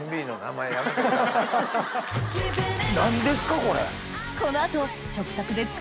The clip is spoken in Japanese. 何ですかこれ。